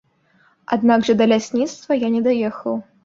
Аднак жа да лясніцтва я не даехаў.